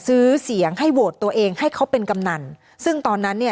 ซื้อเสียงให้โหวตตัวเองให้เขาเป็นกำนันซึ่งตอนนั้นเนี่ย